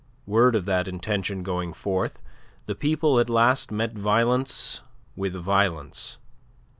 Word of that intention going forth, the people at last met violence with violence.